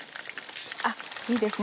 あっいいですね。